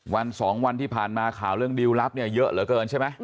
วันสองวันที่ผ่านมาข่าวเรื่องดิวลลับเนี่ยเยอะเหลือเกินใช่ไหม